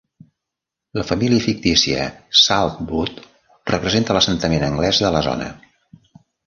La família fictícia Saltwood representa l"assentament anglès de la zona.